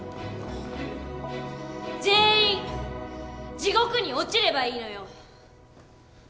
全員地獄に落ちればいいのよ！